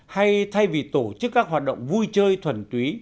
hay thay vì tổ chức các hoạt động vui chơi thuần túy